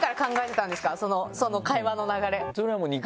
その会話の流れ。